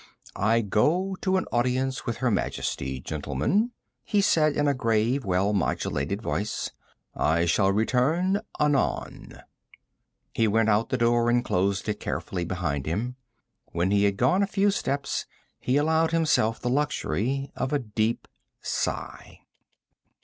"I go to an audience with Her Majesty, gentlemen," he said in a grave, well modulated voice. "I shall return anon." He went out the door and closed it carefully behind him. When he had gone a few steps he allowed himself the luxury of a deep sigh.